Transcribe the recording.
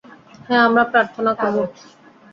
হ্যাঁ, আমরা প্রার্থনা করব।